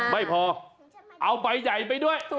ไม่พอเอาใบใหญ่ไปด้วย